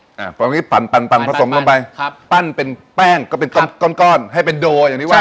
อ่าตอนนี้ปั่นปั่นปั่นผสมลงไปครับปั้นเป็นแป้งก็เป็นต้นก้อนก้อนให้เป็นโดอย่างที่ว่า